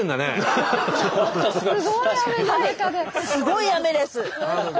すごい雨です。